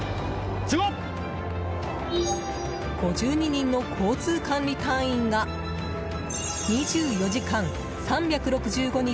５２人の交通管理隊員が２４時間３６５日